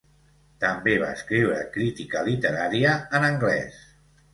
També va escriure crítica literària en anglès.